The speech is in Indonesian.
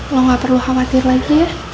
lo gak perlu khawatir lagi